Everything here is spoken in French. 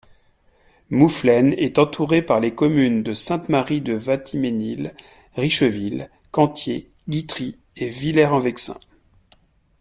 Mouflaines est entourée par les communes de Sainte-Marie-de-Vatimesnil, Richeville, Cantiers, Guitry et Villers-en-Vexin.